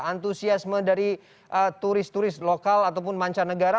antusiasme dari turis turis lokal ataupun mancanegara